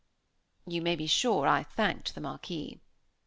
You may be sure I thanked the Marquis.